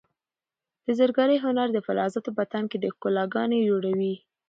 د زرګرۍ هنر د فلزاتو په تن کې د ښکلا ګاڼې جوړوي.